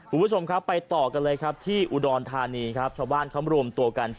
คุณผู้ชมครับไปต่อกันเลยครับที่อุดรธานีครับชาวบ้านเขามารวมตัวกัน